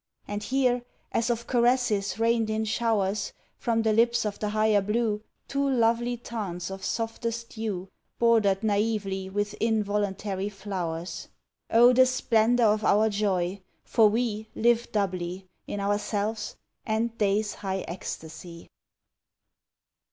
And here, as of caresses rained in showers From the lips of the higher blue, Two lovely tarns of softest hue, Bordered naively with involuntary flowers. O the splendour of our joy, for we Live doubly, in ourselves, and day's high ecstasy.